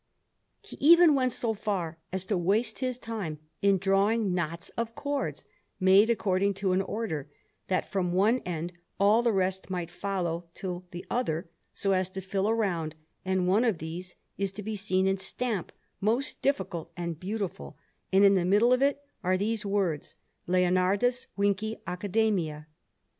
He even went so far as to waste his time in drawing knots of cords, made according to an order, that from one end all the rest might follow till the other, so as to fill a round; and one of these is to be seen in stamp, most difficult and beautiful, and in the middle of it are these words, "Leonardus Vinci Accademia."